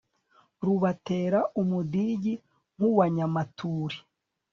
Rubatera umudigi nkuwa nyamaturi